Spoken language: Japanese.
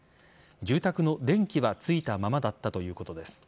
住宅の電気はついたままだったということです。